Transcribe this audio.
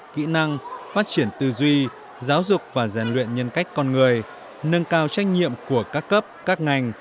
kỹ năng phát triển tư duy giáo dục và rèn luyện nhân cách con người nâng cao trách nhiệm của các cấp các ngành